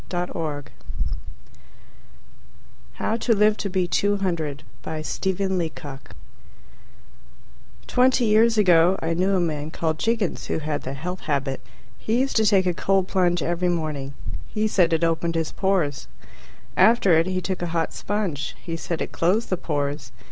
But perhaps orphans are easier. How to Live to be 200 Twenty years ago I knew a man called Jiggins, who had the Health Habit. He used to take a cold plunge every morning. He said it opened his pores. After it he took a hot sponge. He said it closed the pores.